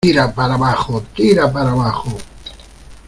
¡ tira para abajo! ¡ tira para abajo !